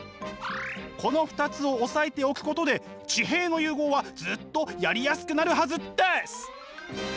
この２つを押さえておくことで地平の融合はずっとやりやすくなるはずです。